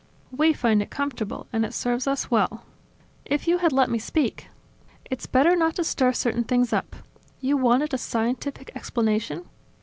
We find it comfortable and it serves us well." "If you had let me speak ..." "It's better not to stir certain things up. You wanted a scientific explanation?